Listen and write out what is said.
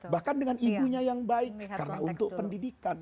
bahkan dengan ibunya yang baik karena untuk pendidikan